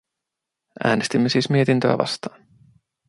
Äänestimme siis mietintöä vastaan.